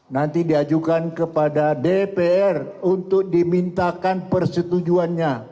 nanti diajukan kepada dpr untuk dimintakan persetujuannya